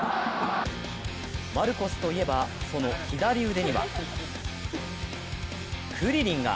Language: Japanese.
マルコスといえばその左腕にはクリリンが！